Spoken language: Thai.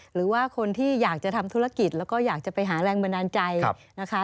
หรือว่าคนที่อยากจะทำธุรกิจแล้วก็อยากจะไปหาแรงบันดาลใจนะคะ